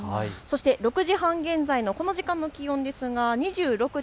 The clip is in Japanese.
そして６時半現在のこの時間の気温ですが２６．５度。